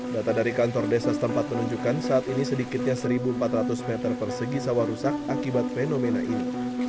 data dari kantor desa setempat menunjukkan saat ini sedikitnya satu empat ratus meter persegi sawah rusak akibat fenomena ini